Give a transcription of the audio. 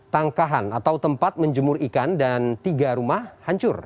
tangkahan atau tempat menjemur ikan dan tiga rumah hancur